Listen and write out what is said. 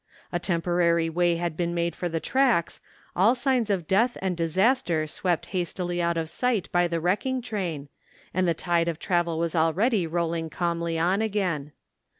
A temporary way had been made for the tracks, all signs of death and disaster swept hastily out of sight by the wrecking train, and the tide of travel was already rolling calmly on again.